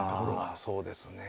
ああそうですね。